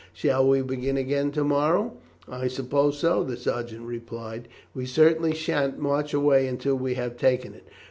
Shall we begin again to morrow?" "I suppose so," the sergeant replied. "We certainly sha'n't march away until we have taken it.